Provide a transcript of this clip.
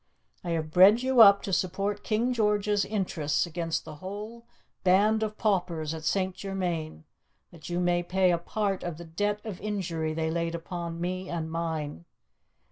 I have bred you up to support King George's interests against the whole band of paupers at St. Germain, that you may pay a part of the debt of injury they laid upon me and mine.